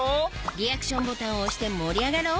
リアクションボタンを押して盛り上がろう！